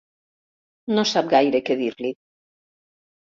No sap gaire què dir-li.